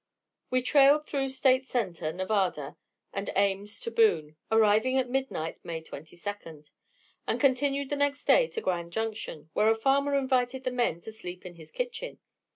We trailed through State Center, Nevada, and Ames to Boone, arriving at midnight, May 22d; and continued on next day to Grand Junction, where a farmer invited the men to sleep in his kitchen.